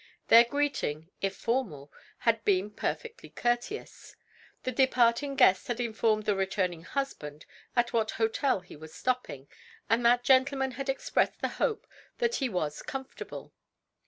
Their greeting, if formal, had been perfectly courteous. The departing guest had informed the returning husband at what hotel he was stopping, and that gentleman had expressed the hope that he was comfortable.